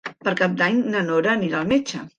Per Cap d'Any na Nora anirà al metge.